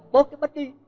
bốt cái bất kỳ